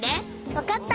わかった！